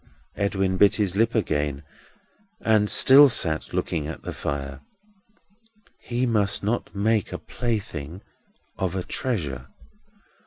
Edwin bit his lip again, and still sat looking at the fire. "He must not make a plaything of a treasure.